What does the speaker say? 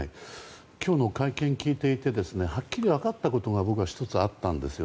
今日の会見を聞いてはっきり分かったことが１つあったんですよ。